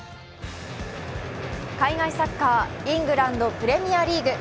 海外サッカー、イグランドプレミアリーグ。